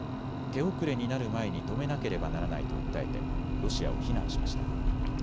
手遅れになる前に止めなければならないと訴えてロシアを非難しました。